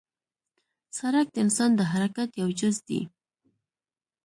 سړک د انسان د حرکت یو جز دی.